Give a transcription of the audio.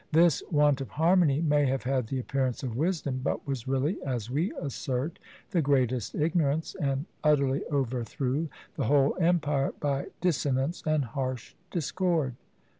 This want of harmony may have had the appearance of wisdom, but was really, as we assert, the greatest ignorance, and utterly overthrew the whole empire by dissonance and harsh discord.